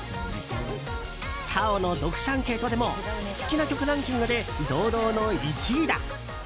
「ちゃお」の読者アンケートでも好きな曲ランキングで堂々の１位だ。